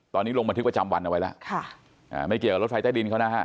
ตอนนี้ลงบันทึกประจำวันเอาไว้แล้วค่ะอ่าไม่เกี่ยวกับรถไฟใต้ดินเขานะฮะ